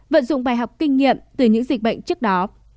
vận dụng bài học kinh nghiệm từ những dịch bệnh trước đó